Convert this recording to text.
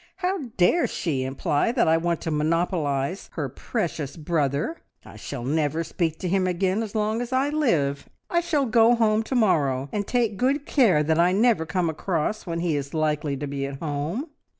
How dare she imply that I want to monopolise her precious brother! I shall never speak to him again as long as I live! I shall go home to morrow, and take good care that I never come across when he is likely to be at home.